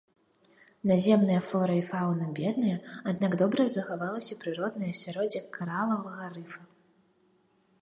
Наземная флора і фаўна бедныя, аднак добра захавалася прыроднае асяроддзе каралавага рыфа.